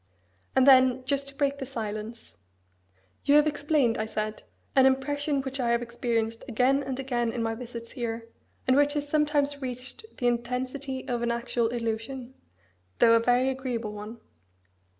And then, just to break the silence, "You have explained," I said, "an impression which I have experienced again and again in my visits here, and which has sometimes reached the intensity of an actual illusion, though a very agreeable one.